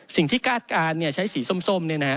สิ่งที่คาดการณ์เนี่ยใช้สีส้มเนี่ยนะฮะ